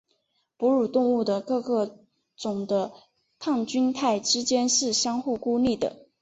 哺乳动物的各个种的抗菌肽之间是互相孤立的。